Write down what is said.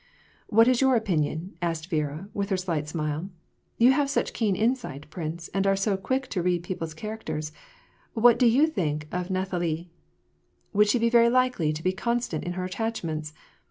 "What is your opinion?" asked Viera, with her slight smile. " You have such keen insight, prince, and are so quick to read people's characters : what do you think of Nathalie ? Would she be likely to be constant in her attachments